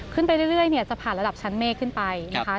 ขึ้นไปเรื่อยเนี่ยจะผ่านระดับชั้นเมฆขึ้นไปนะคะ